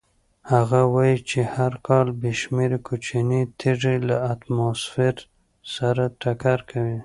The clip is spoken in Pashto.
هغه وایي چې هر کال بې شمېره کوچنۍ تېږې له اتموسفیر سره ټکر کوي.